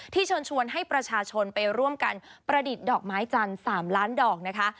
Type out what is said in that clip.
เชิญชวนให้ประชาชนไปร่วมกันประดิษฐ์ดอกไม้จันทร์๓ล้านดอกนะคะ